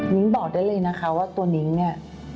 บอกได้เลยนะคะว่าตัวนิ้งเนี่ย